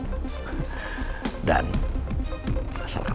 tapi sekarang aku gak bisa deketin pangeran